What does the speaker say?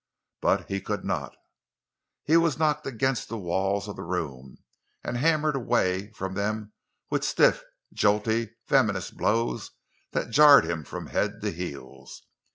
But he could not. He was knocked against the walls of the room, and hammered away from them with stiff, jolty, venomous blows that jarred him from head to heels.